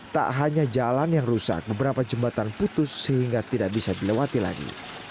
tak hanya jalan yang rusak beberapa jembatan putus sehingga tidak bisa dilewati lagi